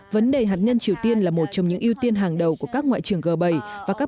vấn đề hạt nhân triều tiên là một trong những ưu tiên hàng đầu của các ngoại trưởng g bảy và các